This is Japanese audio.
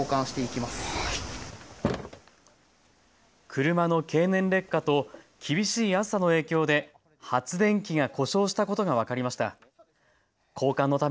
車の経年劣化と厳しい暑さの影響で発電機が故障したことが分かりました。